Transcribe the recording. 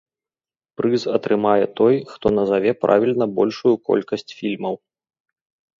Прыз атрымае той, хто назаве правільна большую колькасць фільмаў.